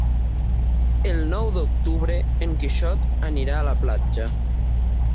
El nou d'octubre en Quixot anirà a la platja.